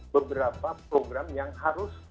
beberapa program yang harus